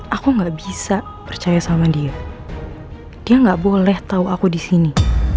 aku nggak bisa percaya sama dia dia nggak boleh tahu aku disini